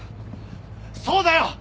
そうだよ！